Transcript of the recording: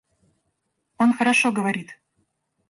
Он хорошо говорит.